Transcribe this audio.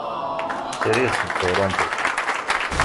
Srid seg Toronto.